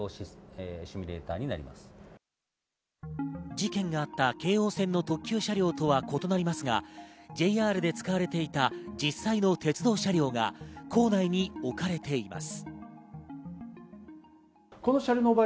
事件があった京王線の特急車両とは異なりますが、ＪＲで使われていた実際の鉄道車両が校内に置かれています。